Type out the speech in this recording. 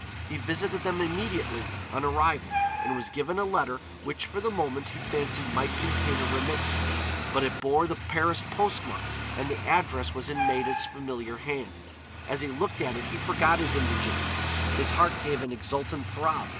He visited them immediately on arriving and was given a letter which for the moment he fancied might contain a remittance. But it bore the Paris postmark and the address was in Maida's familiar hand. As he looked at it he forgot his indigence, his heart gave an exultant throb.